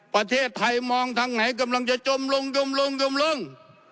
ประเทศไทยมองทางไหนกำลังจะจมลงจมลงจมลง